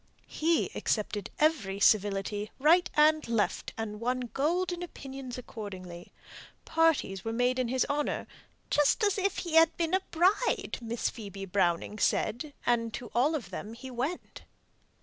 He accepted every civility right and left, and won golden opinions accordingly. Parties were made in his honour, "just as if he had been a bride," Miss Phoebe Browning said; and to all of them he went.